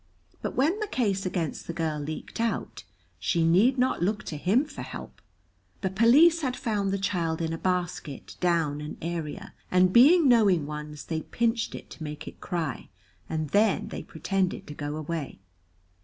But when the case against the girl leaked out, she need not look to him for help. The police had found the child in a basket down an area, and being knowing ones they pinched it to make it cry, and then they pretended to go away.